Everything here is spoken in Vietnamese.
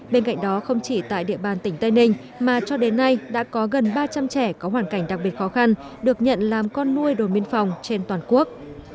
bên cạnh đó không chỉ tại địa bàn tỉnh tây ninh mà cho đến nay đã có gần ba trăm linh trẻ có hoàn cảnh đặc biệt khó khăn được nhận làm con nuôi đồn biên phòng trên toàn quốc